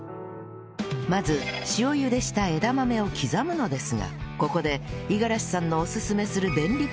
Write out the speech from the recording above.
まず塩茹でした枝豆を刻むのですがここで五十嵐さんのおすすめする便利グッズが